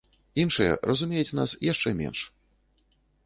Іншыя разумеюць нас яшчэ менш.